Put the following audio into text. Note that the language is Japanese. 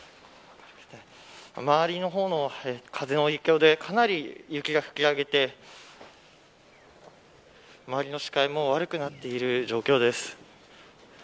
周りの方も、風の影響でかなり雪が吹き上げて周りの視界も悪くなっている状況です。